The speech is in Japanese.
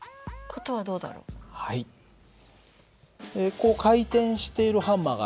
こう回転しているハンマーがあります。